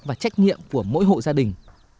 và trách nhiệm của mỗi hộ gia đình